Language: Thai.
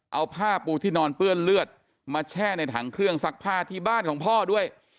เอาผ้าปูที่นอนเปื้อนเลือดมาแช่ในถังเครื่องซักผ้าที่บ้านของพ่อด้วย